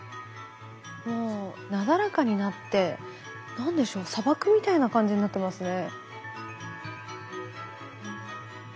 もうなだらかになって何でしょう砂漠みたいな感じになってますね。